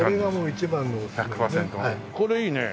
これいいね。